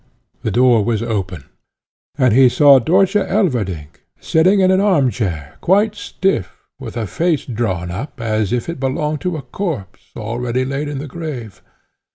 The door was open, and he saw Dörtje Elverdink, sitting in an arm chair, quite stiff, with a face drawn up, as if it belonged to a corpse, already laid in the grave.